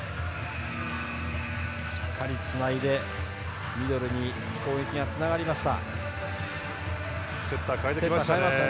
しっかりつないでミドルに攻撃がつながりました。